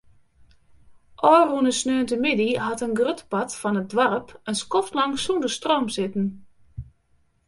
Ofrûne sneontemiddei hat in grut part fan it doarp in skoftlang sûnder stroom sitten.